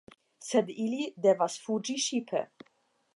Sed ili devas fuĝi ŝipe.